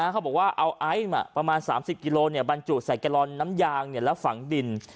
เขาบอกว่าเอาไอซ์มาประมาณ๓๐กิโลบรรจุใส่แกลลอนน้ำยางและฝังดิน